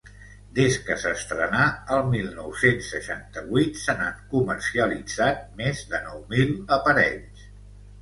Des que s’estrenà, el mil nou-cents seixanta-vuit, se n’han comercialitzat més de nou mil aparells.